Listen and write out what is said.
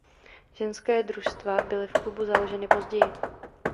Ženské družstva byly v klubu založeny později.